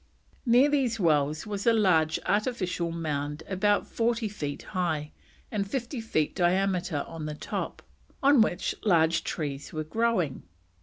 Near these wells was a large artificial mound about forty feet high, and fifty feet diameter on the top, on which large trees were growing.